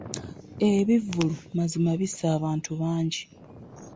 Ebivvulu mazima bisse abantu bangi.